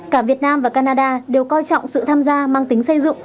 cả việt nam và canada đều coi trọng sự tham gia mang tính xây dựng